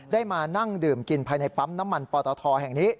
ได้มานั่งดื่มกินภายในปั๊มน้ำมันปอตทแห่งนี้